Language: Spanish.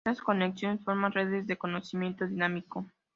Estas conexiones forman redes de conocimiento dinámico.